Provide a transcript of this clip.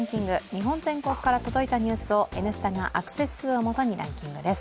日本全国から届いたニュースを「Ｎスタ」がアクセス数をもとにランキングです。